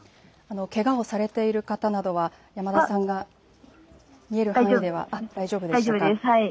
けがをされている方などは山田さんが見える範囲では大丈夫でした。